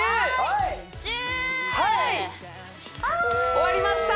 終わりました